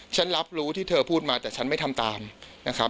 รับรู้ที่เธอพูดมาแต่ฉันไม่ทำตามนะครับ